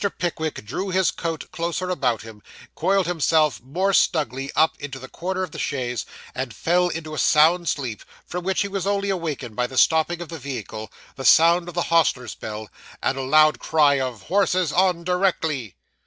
Pickwick drew his coat closer about him, coiled himself more snugly up into the corner of the chaise, and fell into a sound sleep, from which he was only awakened by the stopping of the vehicle, the sound of the hostler's bell, and a loud cry of 'Horses on directly!